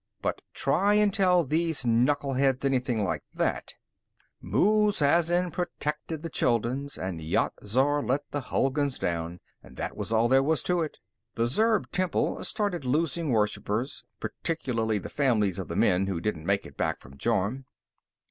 But try and tell these knuckle heads anything like that! Muz Azin protected the Chulduns, and Yat Zar let the Hulguns down, and that was all there was to it. The Zurb temple started losing worshipers, particularly the families of the men who didn't make it back from Jorm.